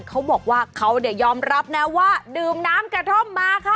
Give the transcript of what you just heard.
เขาบอกว่าเขาเนี่ยยอมรับนะว่าดื่มน้ำกระท่อมมาค่ะ